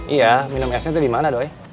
iya minum esnya dimana doi